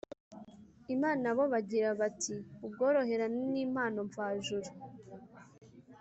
imana bo bagira bati : «ubworoherane ni impano mvajuru».